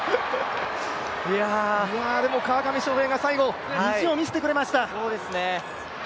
でも川上翔平が最後、意地を見せてくれました。